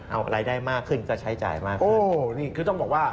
เอารายได้มากขึ้นก็ใช้จ่ายมากขึ้น